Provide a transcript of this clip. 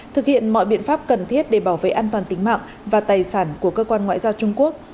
thực hiện mọi biện pháp cần thiết để bảo vệ an toàn tính mạng và tài sản của cơ quan ngoại giao trung quốc